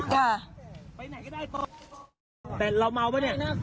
แต่เราเม่าไม่ด๊วย